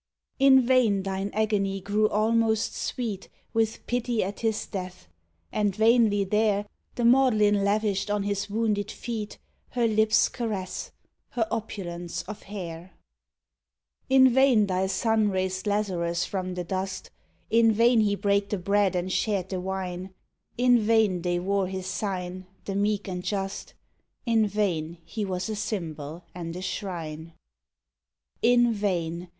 In vain thine agony grew almost sweet With pity at His death, and vainly there The Magdalen lavished on His wounded feet Her lips' caress, her opulence of hair. 75 TO A BUST OF THE MATER DOLOROSA In vain thy Son raised Lazarus from the dust, In vain He brake the bread and shared the wine, In vain they wore His sign, the meek and just, In vain He was a symbol and a shrine ! In vain